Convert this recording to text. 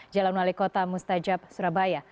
jalan wali kota mustajab surabaya